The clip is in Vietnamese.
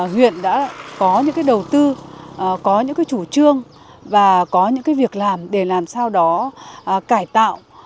huyện đã có những đầu tư có những chủ trương và có những việc làm để làm sao đó cải tạo